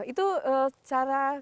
itu secara hal hal kecil ya